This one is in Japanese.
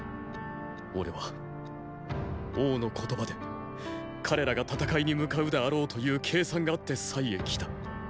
俺は王の言葉で彼らが戦いに向かうであろうという計算があってへ来た。